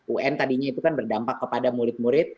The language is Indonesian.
un tadinya itu kan berdampak kepada murid murid